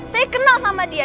saya kenal sama dia